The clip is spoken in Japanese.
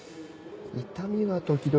痛みは時々。